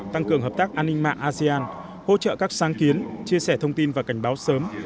tăng cường hợp tác an ninh mạng asean hỗ trợ các sáng kiến chia sẻ thông tin và cảnh báo sớm